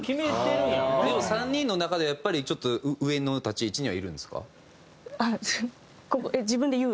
でも３人の中ではやっぱりちょっと上の立ち位置にはいるんですか？